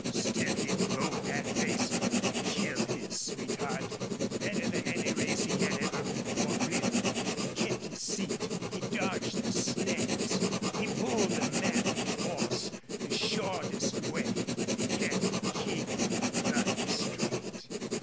Still he rode that race to kill his sweetheart better than any race he had ever before ridden. He kept his seat; he dodged the snags; he pulled the maddened horse the shortest way, he kept the King running straight.